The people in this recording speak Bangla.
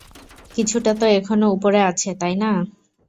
কিছুটা তো এখনও উপরে আছে, তাই না?